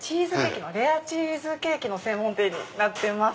レアチーズケーキの専門店になってます。